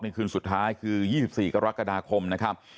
คืนสุดท้ายคือ๒๔กรกฎาคมนะครับ